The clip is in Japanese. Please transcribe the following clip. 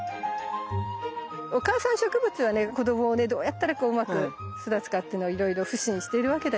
お母さん植物はね子どもをねどうやったらうまく育つかっていうのをいろいろ腐心してるわけだよね。